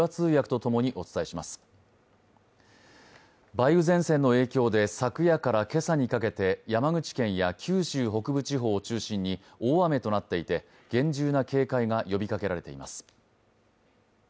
梅雨前線の影響で昨夜から今朝にかけて山口県や九州北部地方を中心に大雨となっていて厳重な警戒が呼びかけられています。